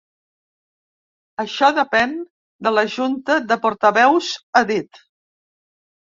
Això depèn de la junta de portaveus, ha dit.